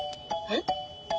えっ。